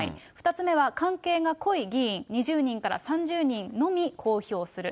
２つ目は関係が濃い議員２０人から３０人のみ公表する。